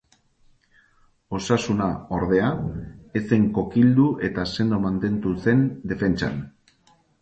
Osasuna, ordea, ez zen kokildu eta sendo mantendu zen defentsan.